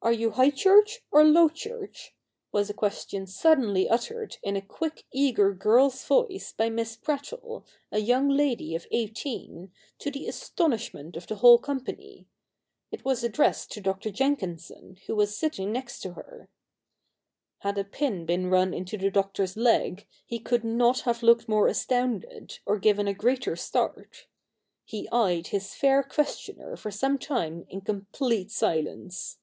' Are you High church or Low church ?' was a question suddenly uttered in a quick eager girl's voice by Miss Prattle, a young lady of eighteen, to the astonishment of the whole company. It was addressed to Dr. Jenkinson, who was sitting next her. Had a pin been run into the Doctor's leg, he could not have looked more astounded, or given a greater start. He eyed his fair questioner for some time in complete silence.